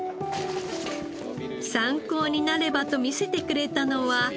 参考になればと見せてくれたのは。